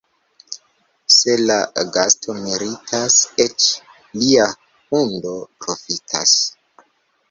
Se la gasto meritas, eĉ lia hundo profitas.